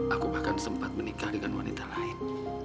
aku bahkan sempat menikah dengan wanita lain